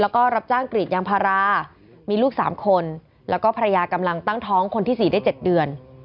แล้วก็รับจ้างกรีดยางพารามีลูก๓คนแล้วก็ภรรยากำลังตั้งท้องคนที่๔ได้๗เดือน